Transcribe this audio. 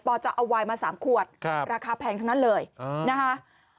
จะเอาวายมา๓ขวดราคาแพงทั้งนั้นเลยนะคะ